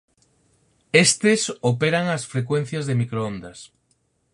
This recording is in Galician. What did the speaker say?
Estes operan a frecuencias de microondas.